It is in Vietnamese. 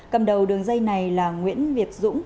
cầm đầu đường dây này là nguyễn việt dũng